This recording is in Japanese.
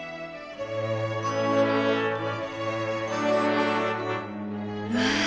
うわ！